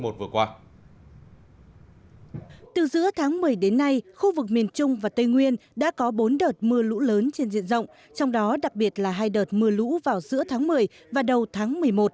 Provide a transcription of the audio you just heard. từ giữa tháng một mươi đến nay khu vực miền trung và tây nguyên đã có bốn đợt mưa lũ lớn trên diện rộng trong đó đặc biệt là hai đợt mưa lũ vào giữa tháng một mươi và đầu tháng một mươi một